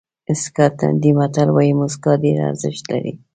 سکاټلېنډي متل وایي موسکا ډېره ارزښت لري.